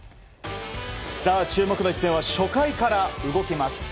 注目の一戦は初回から動きます。